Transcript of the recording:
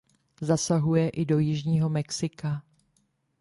Zasahuje i do jižního Mexika.